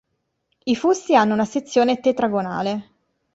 I fusti hanno una sezione tetragonale.